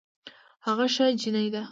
هغه ښه جينۍ ده